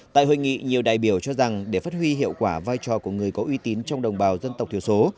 tại hội nghị nhiều đại biểu cho rằng để phát huy hiệu quả vai trò của người có uy tín trong đồng bào dân tộc thiểu số